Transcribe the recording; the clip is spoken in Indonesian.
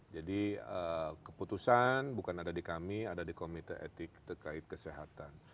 jadi keputusan bukan ada di kami ada di komite etik terkait kesehatan